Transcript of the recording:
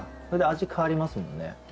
それで味変わりますもんね。